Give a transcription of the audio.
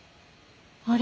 あれ？